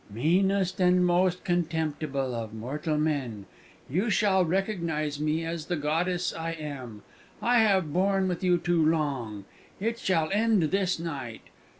"Meanest and most contemptible of mortal men, you shall recognize me as the goddess I am! I have borne with you too long; it shall end this night.